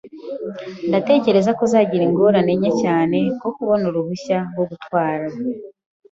Ndatekereza ko uzagira ingorane nke cyane zo kubona uruhushya rwo gutwara